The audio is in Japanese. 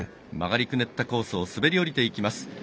曲がりくねったコースを滑り降りていきます。